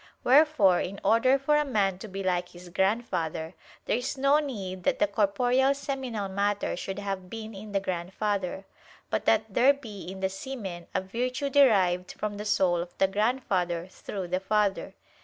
Wherefore in order for a man to be like his grandfather, there is no need that the corporeal seminal matter should have been in the grandfather; but that there be in the semen a virtue derived from the soul of the grandfather through the father.